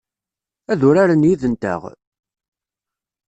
Ad uraren yid-nteɣ?